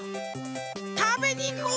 たべにいこう！